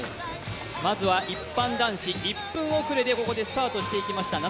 一般男子、１分遅れでスタートしていきました。